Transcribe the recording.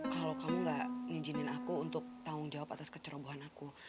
kalau kamu gak ngijinin aku untuk tanggung jawab atas kecerobohan aku